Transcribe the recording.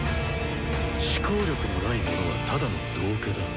思考力のない者はただの道化だ。